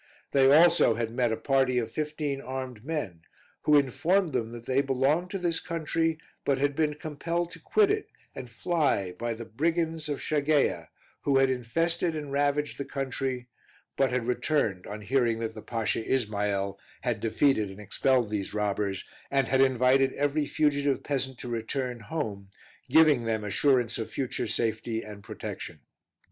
They also had met a party of fifteen armed men, who informed them that they belonged to this country, but had been compelled to quit it, and fly, by the brigands of Shageia, who had infested and ravaged the country, but had returned on hearing that the Pasha Ismael had defeated and expelled these robbers, and had invited every fugitive peasant to return home, giving them assurance of future safety and protection.